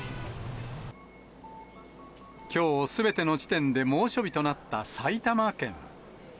きょう、すべての地点で猛暑日となった埼玉県。